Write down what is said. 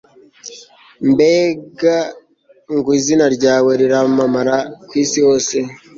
mbega ngo izina ryawe riramamara ku isi hose